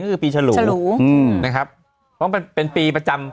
ก็คือปีฉลูอืมนะครับเพราะมันเป็นปีประจำ